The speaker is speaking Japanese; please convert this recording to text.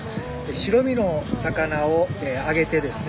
白身の魚を揚げてですね